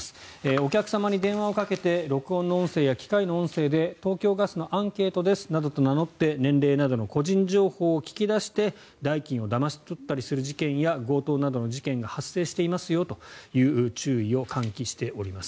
お客様に電話をかけて録音の音声や機械の音声で東京ガスのアンケートですなどと名乗って年齢などの個人情報を聞き出して代金をだまし取ったりする事件や強盗などの事件が発生していますよという注意を喚起しています。